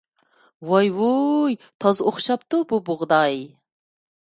ۋاي-ۋۇي، تازا ئوخشاپتۇ بۇ بۇغداي!